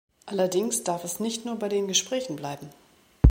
Allerdings darf es nicht nur bei den Gesprächen bleiben.